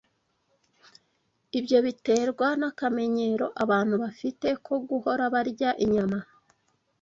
Ibyo biterwa n’akamenyero abantu bafite ko guhora barya inyama